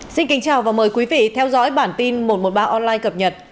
xin kính chào và mời quý vị theo dõi bản tin một trăm một mươi ba online cập nhật